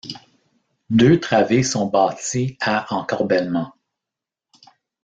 Deux travées sont bâties à encorbellement.